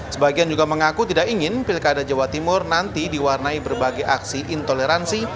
sebagian juga mengaku tidak ingin pilkada jawa timur nanti diwarnai berbagai aksi intoleransi